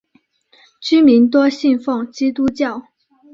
居民多信奉基督教。